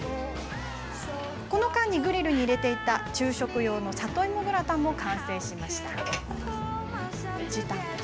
この間に、グリルに入れていた昼食用の里芋グラタンも完成しました。